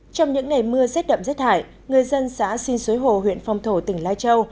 trong những ngày mưa rét đậm rét hại người dân xã xin suối hồ huyện phong thổ tỉnh lai châu